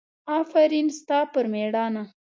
افرین ستا پر مېړانه!